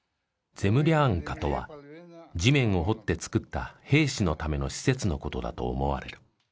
ゼムリャンカとは地面を掘って造った兵士のための施設のことだと思われる。